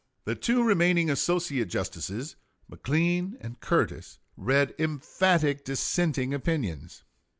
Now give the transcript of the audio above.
The two remaining associate justices, McLean and Curtis, read emphatic dissenting opinions.